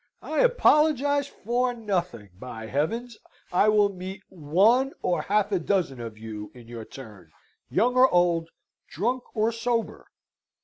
I apologise for nothing. By heavens! I will meet one or half a dozen of you in your turn, young or old, drunk or sober."